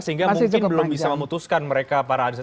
sehingga mungkin belum bisa memutuskan mereka